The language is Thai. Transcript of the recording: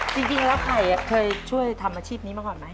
จริงแล้วไผ่เคยช่วยทำอาชีพนี้มาก่อนไหม